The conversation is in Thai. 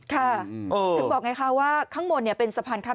ค่ะถึงบอกไงค่ะว่าข้างบนเป็นสะพานค่ะ